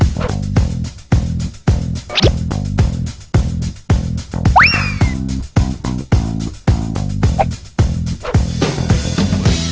โปรดติดตามตอนต่อไป